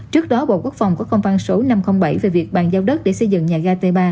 trước đó bộ quốc phòng có công văn số năm trăm linh bảy về việc bàn giao đất để xây dựng nhà ga t ba